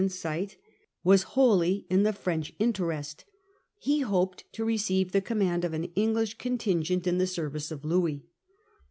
insight, was wholly in the French interest ; he hoped to receive the command of an English contingent in the service of Louis.